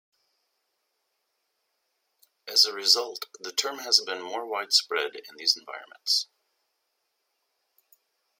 As a result, the term has been more widespread in these environments.